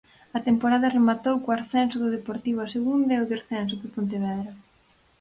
A temporada rematou co ascenso do Deportivo a segunda e o descenso do Pontevedra.